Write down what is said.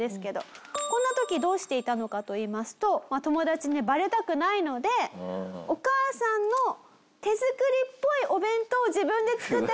こんな時どうしていたのかといいますと友達にバレたくないのでお母さんの手作りっぽいお弁当を自分で作ってました。